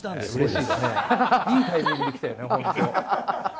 いいタイミングで来たよね。